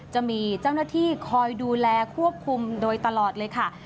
จะมีเจ้าหน้าที่คอยดูแลควบคุมโดยตลอดเลยค่ะ